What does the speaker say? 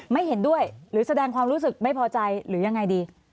ไม่เห็นด้วยหรือแสดงความรู้สึกไม่พอใจหรือยังไงดี